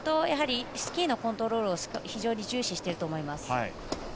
スキーのコントロールを非常に重視していると思います。